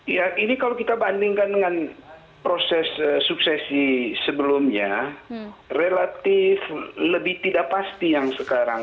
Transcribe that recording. ya ini kalau kita bandingkan dengan proses suksesi sebelumnya relatif lebih tidak pasti yang sekarang